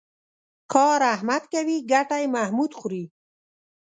کار احمد کوي ګټه یې محمود خوري.